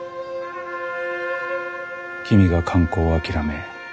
君が刊行を諦め